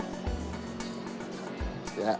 susunya masih hangat